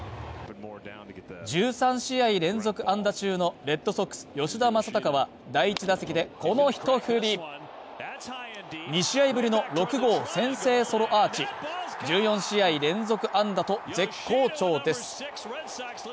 １３試合連続安打中のレッドソックス吉田正尚は第１打席で、この一振り２試合ぶりの６号先制ソロアーチ１４試合連続安打と絶好調です。